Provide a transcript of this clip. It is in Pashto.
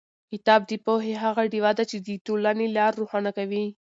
کتاب د پوهې هغه ډېوه ده چې د ټولنې لار روښانه کوي.